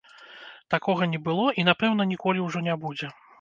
Такога не было і, напэўна, ніколі ўжо не будзе.